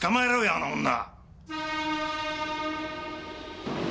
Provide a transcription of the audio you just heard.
あの女！